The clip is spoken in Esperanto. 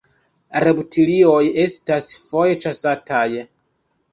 Reptilioj estas foje ĉasataj.